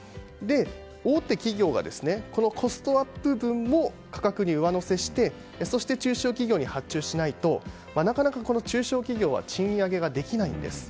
大手企業がコストアップ分を価格に上乗せしてそして中小企業に発注しないとなかなか中小企業は賃上げができないんです。